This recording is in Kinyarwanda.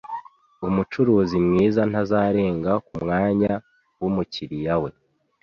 Umucuruzi mwiza ntazarenga kumwanya wumukiriya we